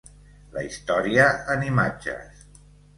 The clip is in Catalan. La història en imatges.